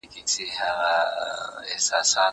هغه وويل چي د کتابتون د کار مرسته ضروري ده!؟